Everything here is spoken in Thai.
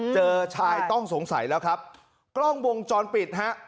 เจอชายต้องสงสัยแล้วครับกล้องวงจรปิดฮะ